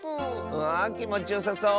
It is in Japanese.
わあきもちよさそう。